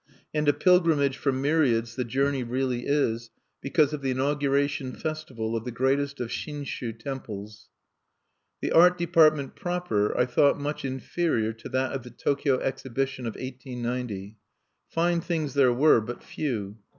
And a pilgrimage for myriads the journey really is, because of the inauguration festival of the greatest of Shinshu temples. The art department proper I thought much inferior to that of the Tokyo Exhibition of 1890. Fine things there were, but few.